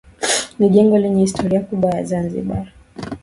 Ni jengo lenye historia kubwa ya Zanzibar